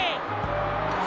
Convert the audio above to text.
あ！